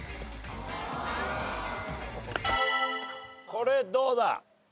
これどうだ？